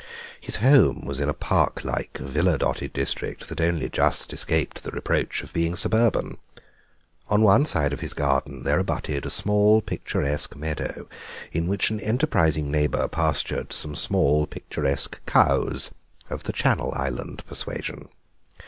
His home was in a park like, villa dotted district that only just escaped the reproach of being suburban. On one side of his garden there abutted a small, picturesque meadow, in which an enterprising neighbour pastured some small picturesque cows of the Channel Island persuasion.